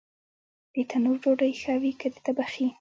د تنور ډوډۍ ښه وي که د تبخي؟